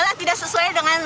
ya tidak sesuai dengan